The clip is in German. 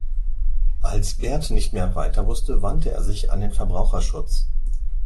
Als Bert nicht mehr weiter wusste, wandte er sich an den Verbraucherschutz.